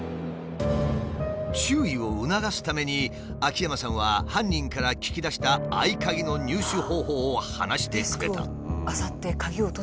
注意を促すために秋山さんは犯人から聞き出した合鍵の入手方法を話してくれた。